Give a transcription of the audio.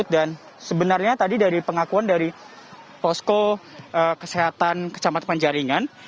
dan sebenarnya tadi dari pengakuan dari posko kesehatan kecamatan penjaringan